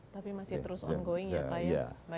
tapi masih terus ongoing ya pak ya